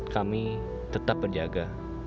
kami tetap berjaga